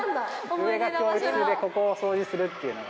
上が教室でここを掃除するっていうのが。